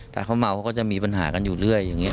แต่เขาเมาเขาก็จะมีปัญหากันอยู่เรื่อยอย่างนี้